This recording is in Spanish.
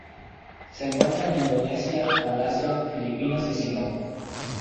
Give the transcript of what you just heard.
Se encuentra en Indonesia, Malasia, Filipinas y Singapur.